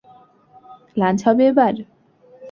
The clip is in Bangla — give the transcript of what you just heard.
লাঞ্চ হবে এবার?